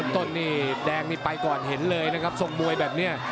ต้นนี่แดงนี่ไปก่อนเห็นเลยนะครับทรงมวยแบบนี้